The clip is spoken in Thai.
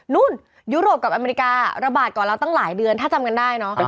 ยุโรปกับอเมริการะบาดก่อนเราตั้งหลายเดือนถ้าจำกันได้เนอะ